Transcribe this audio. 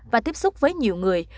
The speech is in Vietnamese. và tiếp xúc với nhiều người